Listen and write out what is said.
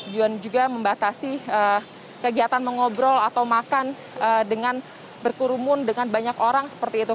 dia juga membatasi kegiatan mengobrol atau makan dengan berkurumun dengan banyak orang seperti itu